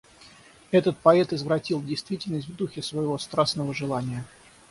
Этот поэт извратил действительность в духе своего страстного желания.